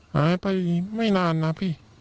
หายไปไม่นานนะพี่